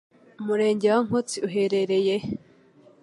Umurenge wa Nkotsi uherereye he